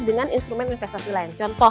dengan instrumen investasi lain contoh